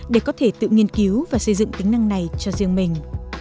để có thể tự nghiên cứu và xây dựng tính năng này cho riêng mình